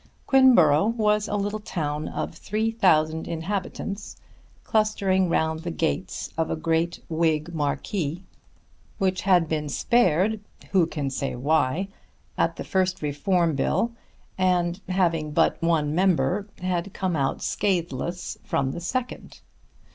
Quinborough was a little town of 3,000 inhabitants clustering round the gates of a great Whig Marquis, which had been spared, who can say why? at the first Reform Bill, and having but one member had come out scatheless from the second.